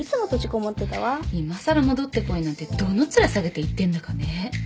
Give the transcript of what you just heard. いまさら戻ってこいなんてどの面下げて言ってんだかね